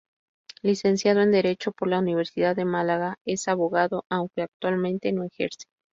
Licenciado en Derecho por la Universidad de Málaga, es abogado aunque actualmente no ejerce.